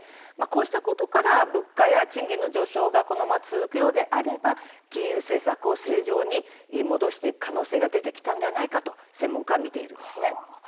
このまま物価や賃金の上昇が続くようであれば金融政策を正常に戻していく可能性が出てきたのではないかと専門家は見ているんです。